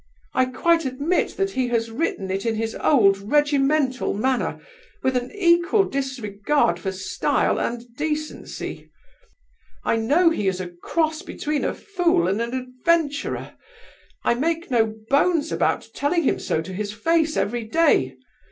"I quite admit that he has written it in his old regimental manner, with an equal disregard for style and decency. I know he is a cross between a fool and an adventurer; I make no bones about telling him so to his face every day.